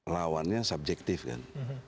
lawannya subjektif kan